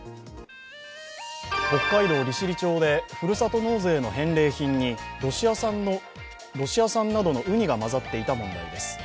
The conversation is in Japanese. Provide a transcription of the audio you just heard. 北海道利尻町でふるさと納税の返礼品にロシア産などのうにが混ざっていた問題です。